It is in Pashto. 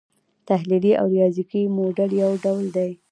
تحلیلي او ریاضیکي موډل یو ډول دی.